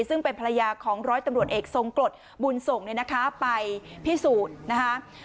ซึ่งเป็นภรรยาของร้อยตำรวจเอกทรงกรดบุญส่งเนี่ยนะคะไปพิสูจน์นะคะ